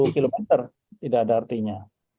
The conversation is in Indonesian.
empat puluh kilometer tidak ada artinya